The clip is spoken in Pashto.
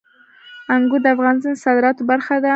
انګور د افغانستان د صادراتو برخه ده.